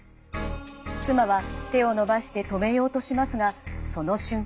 妻は手を伸ばして止めようとしますがその瞬間。